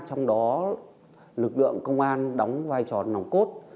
trong đó lực lượng công an đóng vai trò nòng cốt